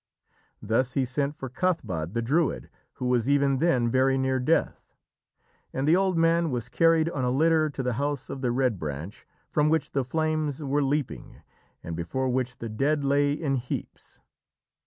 Thus he sent for Cathbad the Druid, who was even then very near death, and the old man was carried on a litter to the House of the Red Branch, from which the flames were leaping, and before which the dead lay in heaps.